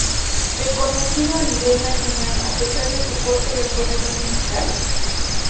Reconocido a nivel nacional a pesar de su corto recorrido musical.